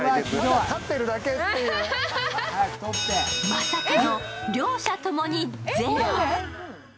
まさかの両者共にゼロ！